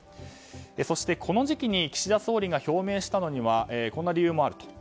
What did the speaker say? そして、この時期に岸田総理が表明したのにはこんな理由もあると。